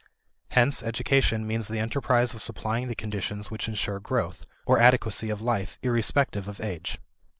Hence education means the enterprise of supplying the conditions which insure growth, or adequacy of life, irrespective of age.